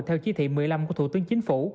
theo chỉ thị một mươi năm của thủ tướng chính phủ